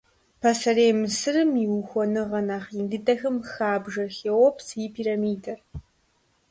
Пасэрей Мысырым и ухуэныгъэ нэхъ ин дыдэхэм хабжэ Хеопс и пирамидэр.